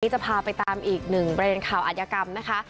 จะพาไปตามอีกหนึ่งประเด็นข่าวอัธยกรรมนะคะ